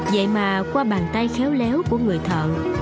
vậy mà qua bàn tay khéo léo của người thợ